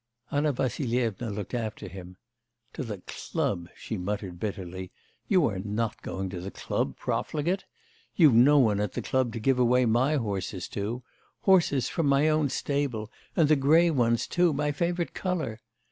Anna Vassilyevna looked after him. 'To the club!' she muttered bitterly: 'you are not going to the club, profligate? You've no one at the club to give away my horses to horses from my own stable and the grey ones too! My favourite colour.